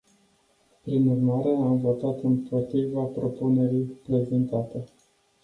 Prin urmare, am votat împotriva propunerii prezentate.